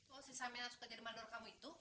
oh si samin yang suka jadi mandor kamu itu